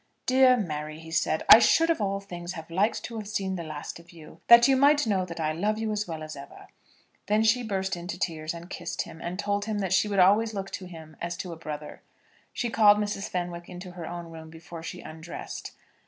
"Dear Mary," he said, "I should of all things have liked to have seen the last of you, that you might know that I love you as well as ever." Then she burst into tears, and kissed him, and told him that she would always look to him as to a brother. She called Mrs. Fenwick into her own room before she undressed.